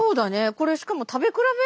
これしかも食べ比べ？